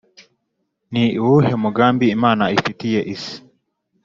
Ni uwuhe mugambi Imana ifitiye isi?